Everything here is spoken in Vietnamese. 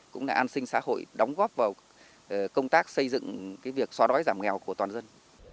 cũng là an sinh xã hội đóng góp vào công tác xây dựng việc xóa đói giảm nghèo của toàn dân